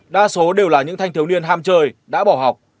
đa số đều là những thanh thiếu niên ham chơi đã bỏ học